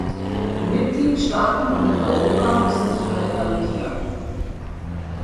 Die Mitgliedstaaten und Europa müssen Sicherheit garantieren.